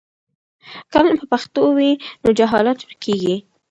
که علم په پښتو وي نو جهالت ورکېږي.